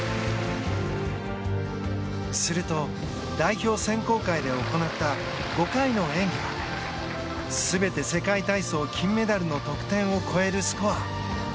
すると代表選考会で行った５回の演技は全て世界体操金メダルの得点を超えるスコア。